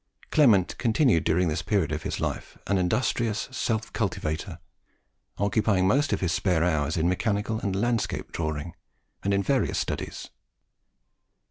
Clement continued during this period of his life an industrious self cultivator, occupying most of his spare hours in mechanical and landscape drawing, and in various studies.